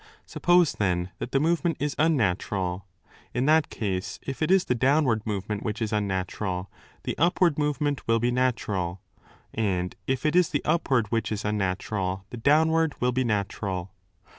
Suppose, then, that the movement is wznzatural. In that case, if it is 270° the downward movement which is unnatural, the upward movement will be natural; and if it is the upward which is unnatural, the downward will be natural.